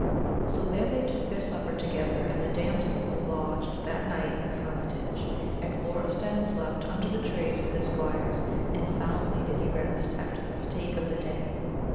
So there they took their supper together, and the damsel was lodged that night in the hermitage, and Florestan slept under the trees with his squires, and soundly did he rest after the £&tigue of the day.